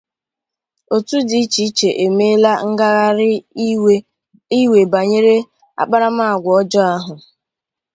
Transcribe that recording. otu dị iche iche emeela ngagharị iwe banyere akparamagwa ọjọọ ahụ